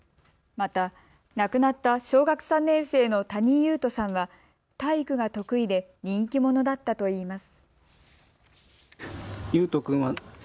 また亡くなった小学３年生の谷井勇斗さんは体育が得意で人気者だったといいます。